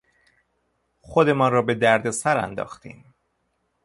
خودمان را به دردسر انداختیم.